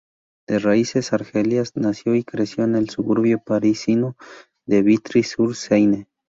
De raíces argelinas, nació y creció en el suburbio parisino de Vitry-sur-Seine.